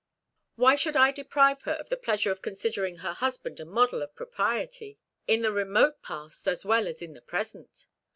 Why should I deprive her of the pleasure of considering her husband a model of propriety, in the remote past as well as in the present?